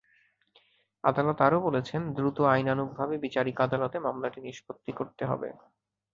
আদালত আরও বলেছেন, দ্রুত আইনানুগভাবে বিচারিক আদালতে মামলাটি নিষ্পত্তি করতে হবে।